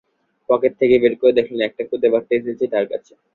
Pocket থেকে বের করে দেখলেন একটা খুদে বার্তা এসেছে তাঁর কাছে।